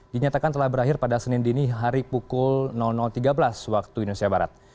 dinyatakan telah berakhir pada senin dini hari pukul tiga belas waktu indonesia barat